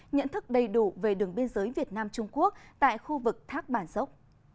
nhận thức đầy đủ về đường biên giới việt nam trung quốc tại khu vực thác bản dốc